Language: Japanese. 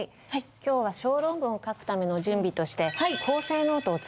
今日は小論文を書くための準備として「構成ノート」を作ってみます。